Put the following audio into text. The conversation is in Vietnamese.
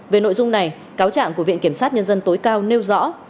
về nội dung này cáo trạng của viện kiểm sát nhân dân tối cao nêu rõ